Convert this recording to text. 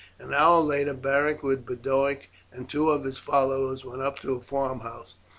An hour later Beric, with Boduoc and two of his followers, went up to a farm house.